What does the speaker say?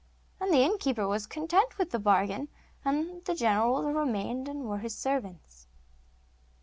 And the innkeeper was content with the bargain, and the generals remained, and were his servants.